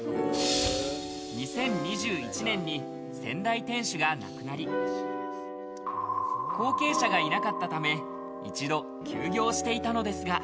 ２０２１年に先代店主が亡くなり後継者がいなくなったため、一度休業していたのですが。